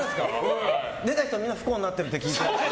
出た人みんな不幸になってるって聞いた。